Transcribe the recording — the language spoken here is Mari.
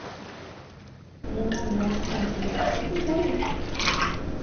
Мемнан Даникнам те нигуштат ыжда уж?